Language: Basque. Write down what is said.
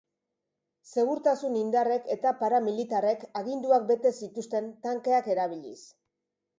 Segurtasun-indarrek eta paramilitarrek aginduak bete zituzten tankeak erabiliz.